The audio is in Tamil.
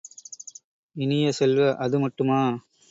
இனிய செல்வ, அது மட்டுமா?